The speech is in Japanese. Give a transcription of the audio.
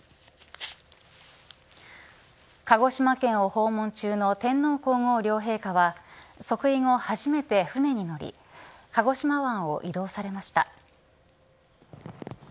鹿児島県を訪問中の天皇皇后両陛下は即位後、初めて船に乗り鹿児島湾を移動されました。